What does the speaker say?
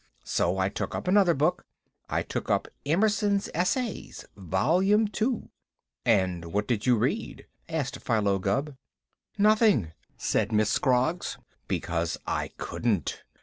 So I took up another book. I took up Emerson's Essays, Volume Two." "And what did you read?" asked Philo Gubb. "Nothing," said Miss Scroggs, "because I couldn't.